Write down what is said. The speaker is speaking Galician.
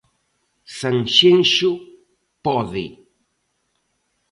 Sanxenxo Pode.